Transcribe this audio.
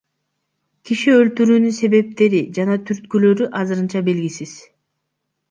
Киши өлтүрүүнүн себептери жана түрткүлөрү азырынча белгисиз.